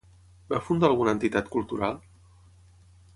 Va fundar alguna entitat cultural?